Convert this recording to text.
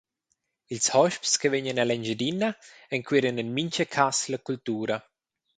Ils hosps che vegnan ell’Engiadina enqueran en mintga cass la cultura.